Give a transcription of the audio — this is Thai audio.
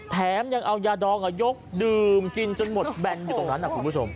แถมยังเอายาดองยกดื่มกินจนหมดแบนอยู่ตรงนั้นคุณผู้ชม